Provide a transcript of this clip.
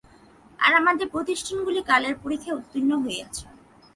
আর আমাদের প্রতিষ্ঠানগুলি কালের পরীক্ষায় উত্তীর্ণ হইয়াছে।